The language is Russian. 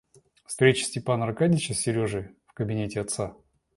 Встреча Степана Аркадьича с Сережей в кабинете отца.